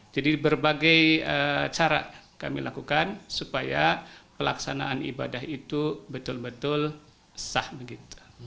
jadi berbagai cara kami lakukan supaya pelaksanaan ibadah itu betul betul sah begitu